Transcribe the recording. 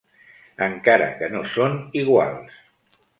Encara que no són iguals.